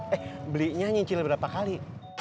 eh belinya nyicil berapa kali